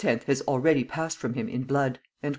has already passed from him in blood."